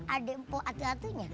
adek mpok ati atunya